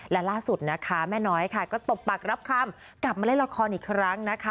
และล่าสุดนะคะแม่น้อยค่ะก็ตบปากรับคำกลับมาเล่นละครอีกครั้งนะคะ